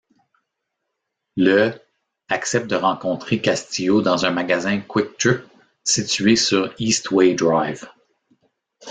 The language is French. Le accepte de rencontrer Castillo dans un magasin QuikTrip situé sur Eastway Drive.